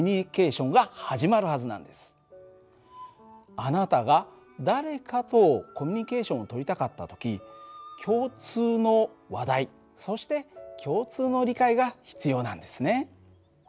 あなたが誰かとコミュニケーションを取りたかった時共通の話題そして共通の理解が必要なんですね。